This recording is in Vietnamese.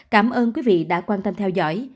cảm ơn quý vị đã quan tâm theo dõi